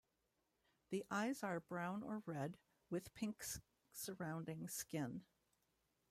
The eyes are brown or red, with pink surrounding skin.